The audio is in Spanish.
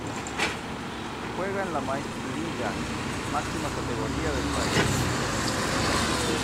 Juega en la Meistriliiga, máxima categoría del país.